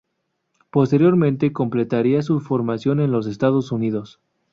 Posteriormente completaría su formación en los Estados Unidos.